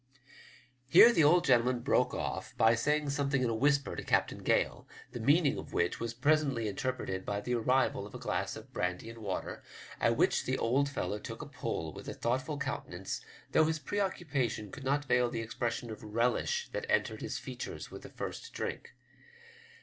Here the old gentleman broke off by saying something in a whisper to Captain Gale, the meaning of which was presently interpreted by the arrival of a glass of brandy and water, at which the old fellow took a pull with a thoughtful countenance, though his preoccupation could not veil the expression of relish that entered his features with the first drink.